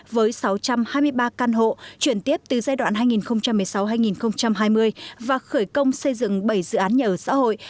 với sáu trăm hai mươi ba căn hộ chuyển tiếp từ giai đoạn hai nghìn một mươi sáu hai nghìn hai mươi và khởi công xây dựng bảy dự án nhà ở xã hội